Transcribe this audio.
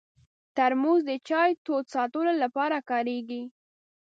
ترموز د چای تود ساتلو لپاره کارېږي.